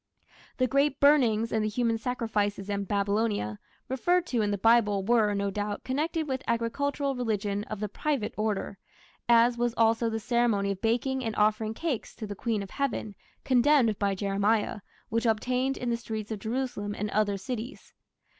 The great "burnings" and the human sacrifices in Babylonia, referred to in the Bible, were, no doubt, connected with agricultural religion of the private order, as was also the ceremony of baking and offering cakes to the Queen of Heaven, condemned by Jeremiah, which obtained in the streets of Jerusalem and other cities.